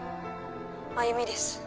繭美です。